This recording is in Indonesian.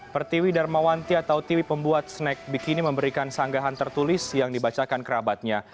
pertiwi darmawanti atau tiwi pembuat snack bikini memberikan sanggahan tertulis yang dibacakan kerabatnya